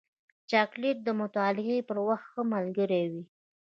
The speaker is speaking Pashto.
چاکلېټ د مطالعې پر وخت ښه ملګری وي.